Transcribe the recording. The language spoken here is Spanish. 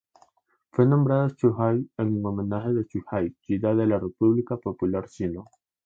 Fue nombrado Zhuhai en homenaje a Zhuhai ciudad de la República Popular China.